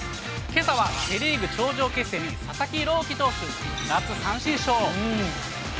けさはセ・リーグ頂上決戦に佐々木朗希選手、奪三振ショー。